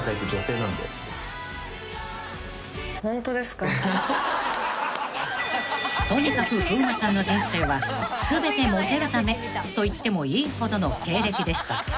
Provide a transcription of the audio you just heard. ［とにかく風磨さんの人生は全てモテるためと言ってもいいほどの経歴でした］